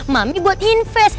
mami buat invest